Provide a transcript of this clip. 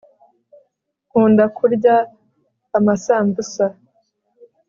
nkunda kurya ama sambusa